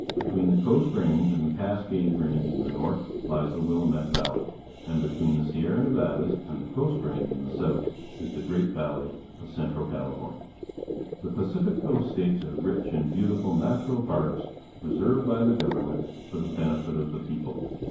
Between the Coast Range and the Cascade Range in the north hes the Willamette Valley, and between the Sierra Nevadas and the Coast Range in the south is the Great Valley of Central California. The Pacific Coast States are rich in beauti ful natural parks, reserved by the govermnent for the benefit of the people.